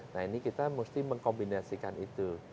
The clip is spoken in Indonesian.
nah ini kita mesti mengkombinasikan itu